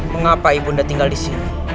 mengapa ibu anda tinggal disini